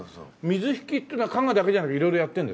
水引ってのは加賀だけじゃなくて色々やってるんですか？